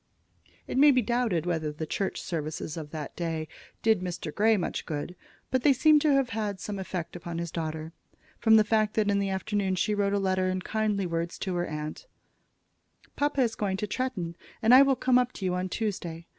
It may be doubted whether the church services of that day did Mr. Grey much good; but they seemed to have had some effect upon his daughter, from the fact that in the afternoon she wrote a letter in kindly words to her aunt: "Papa is going to Tretton, and I will come up to you on Tuesday.